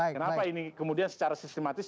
kenapa ini kemudian secara sistematis